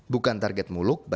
bukan target muluk